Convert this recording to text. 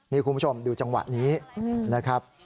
นี่คุณผู้ชมดูจังหวะนี้นะครับ